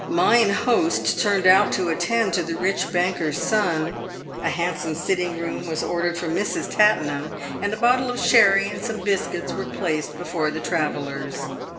Mine host turned out to attend to the rich banker's son. A handsome sitting room was ordered for Mrs. Tattenham, and a bottle of sherry and some biscuits were placed before the travellers.